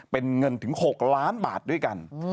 เป็นเงินถึง๖ล้านบาทด้วยกัน